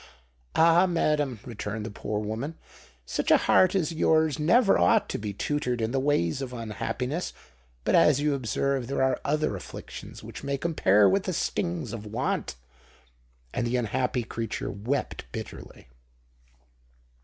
"Ah! madam," returned the poor woman, "such a heart as yours never ought to be tutored in the ways of unhappiness. But, as you observe, there are other afflictions which may compare with the stings of want!" And the unhappy creature wept bitterly.